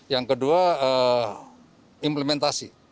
yang kedua implementasi